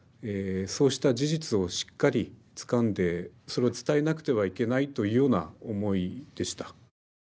そうした事実をしっかりつかんでそれを伝えなくてはいけないというような思いでした。